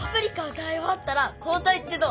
歌いおわったら交たいってどう？